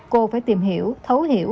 cô phải tìm hiểu thấu hiểu